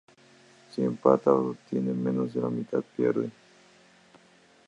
Si empata o tiene menos de la mitad, pierde.